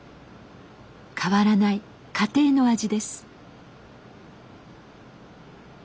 変わらない家庭の味です。